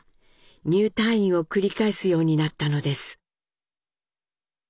入退院を繰り返すようになったのです。